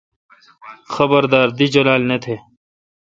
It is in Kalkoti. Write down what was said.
خبردار۔ دی جولال نہ تہ۔